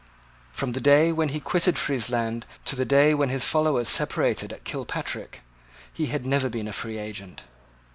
From the day when he quitted. Friesland to the day when his followers separated at Kilpatrick, he had never been a free agent.